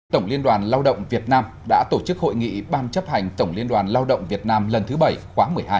tổng liên đoàn lao động việt nam đã tổ chức hội nghị ban chấp hành tổng liên đoàn lao động việt nam lần thứ bảy khóa một mươi hai